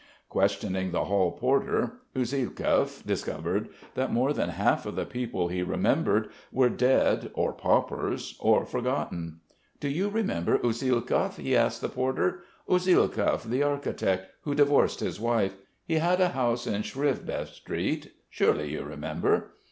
Questioning the hall porter, Usielkov discovered that more than half of the people he remembered were dead or paupers or forgotten. "Do you remember Usielkov?" he asked the porter. "Usielkov, the architect, who divorced his wife.... He had a house in Sviribev Street.... Surely you remember."